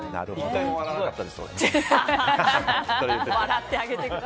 １回も笑わなかったです、俺。